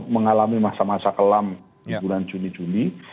mengalami masa masa kelam di bulan juni juli